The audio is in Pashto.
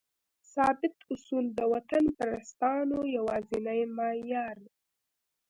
ثابت اصول؛ د وطنپرستانو یوازینی معیار